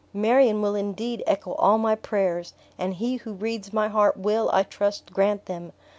"Marion will indeed echo all my prayers, and He who reads my heart will, I trust, grant them.